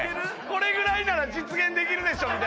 これぐらいなら実現できるでしょみたいな。